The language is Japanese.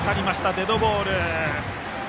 デッドボール。